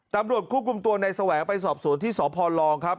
ตำรวจคู่กลุ่มตัวในแสวงไปสอบศูนย์ที่สพลองครับ